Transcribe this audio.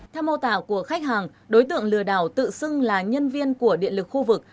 theo mô tả của khách hàng đối tượng lừa đảo tự xưng là nhân viên của điện lực khu vực